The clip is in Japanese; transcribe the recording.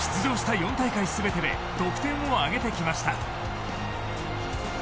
４大会全てで得点を挙げてきました。